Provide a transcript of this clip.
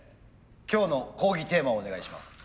今日の講義テーマをお願いします。